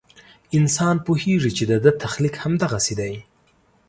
انسان پوهېږي چې د ده تخلیق همدغسې دی.